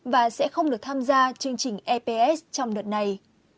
và sẽ không được tham gia chương trình eps trong đợt này